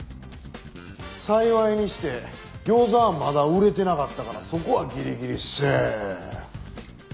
幸いにして餃子はまだ売れてなかったからそこはギリギリセーフ。